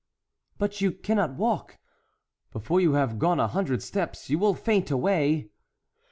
"But you cannot walk; before you have gone a hundred steps you will faint away."